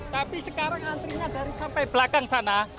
tapi sekarang antrinya dari sampai belakang sana